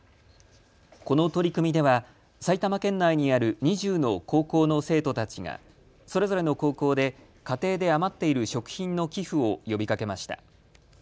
この取り組みでは埼玉県内にある２０の高校の生徒たちがそれぞれの高校で家庭で余っている食品の寄付を呼びかけました。